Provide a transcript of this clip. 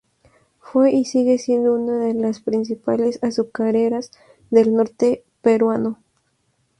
Fue y sigue siendo una de las principales azucareras del norte peruano.